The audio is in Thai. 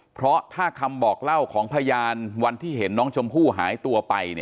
เพราะถ้าคำบอกเล่าของพยานวันที่เห็นน้องชมพู่หายตัวไป